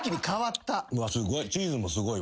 すごい。